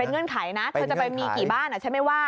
เงื่อนไขนะเธอจะไปมีกี่บ้านฉันไม่ว่า